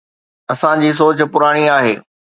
اسان جي سوچ پراڻي آهي.